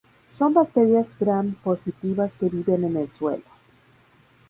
Son bacterias Gram-positivas que viven en el suelo.